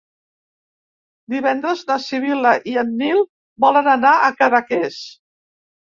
Divendres na Sibil·la i en Nil volen anar a Cadaqués.